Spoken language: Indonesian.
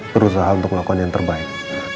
berusaha untuk melakukan yang terbaik